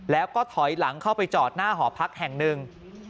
แล้วก็ถอยหลังเข้าไปจอดหน้าหอพักแห่งหนึ่ง